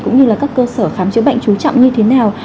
cũng như là các cơ sở khám chữa bệnh trú trọng như thế nào